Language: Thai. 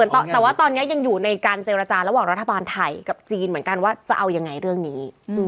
แต่ว่าตอนนี้ยังอยู่ในการเจรจาระหว่างรัฐบาลไทยกับจีนเหมือนกันว่าจะเอายังไงเรื่องนี้